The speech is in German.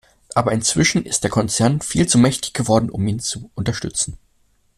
Aber inzwischen ist der Konzern viel zu mächtig geworden, um ihn zu unterstützen.